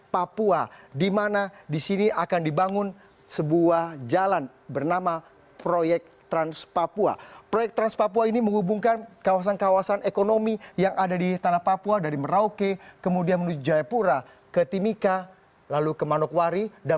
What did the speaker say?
berikut laporannya untuk anda